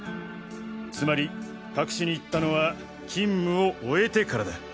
つまり隠しに行ったのは勤務を終えてからだ。